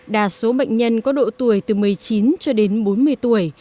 đa số bệnh nhân có độ tuổi từ một mươi chín cho đến bốn mươi tuổi